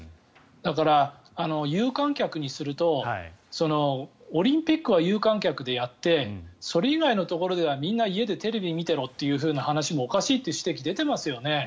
だから、有観客にするとオリンピックは有観客でやってそれ以外のところではみんな家でテレビ見てろという話もおかしいという指摘が出ていますよね。